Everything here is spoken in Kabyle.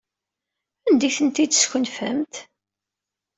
Anda ay ten-id-teskenfemt?